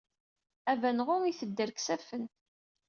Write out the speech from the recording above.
Abanɣu ittedder deg yisafen.